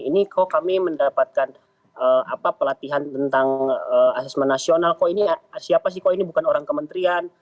ini kok kami mendapatkan pelatihan tentang asesmen nasional kok ini siapa sih kok ini bukan orang kementerian